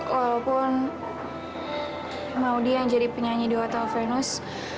walaupun mau dia jadi penyanyi di otoho venus